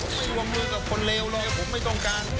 ผมไม่วงมือกับคนเลวเลยผมไม่ต้องการ